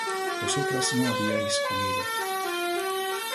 vosotras no habíais comido